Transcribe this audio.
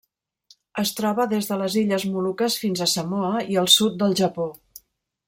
Es troba des de les Illes Moluques fins a Samoa i el sud del Japó.